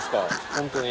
本当に。